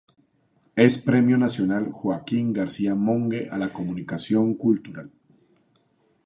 Es "Premio Nacional "Joaquín García Monge" a la comunicación cultural".